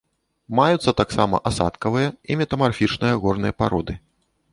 Маюцца таксама асадкавыя і метамарфічныя горныя пароды.